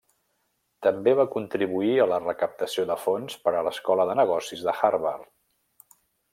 També va contribuir a la recaptació de fons per a l'Escola de negocis de Harvard.